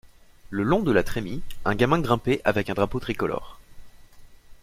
Le long de la trémie un gamin grimpait avec un drapeau tricolore.